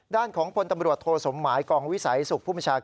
ด้านของพลตำรวจโทสมหมายกองวิสัยสุขผู้บัญชาการ